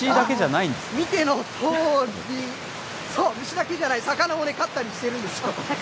見てのとおり、そう、虫だけじゃない、魚も飼ったりしているんですよ。